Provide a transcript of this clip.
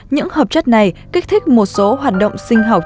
những hợp chất này kích thích một số hoạt động sinh học